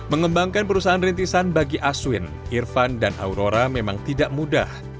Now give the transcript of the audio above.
mengembangkan perusahaan rintisan bagi aswin irfan dan aurora memang tidak mudah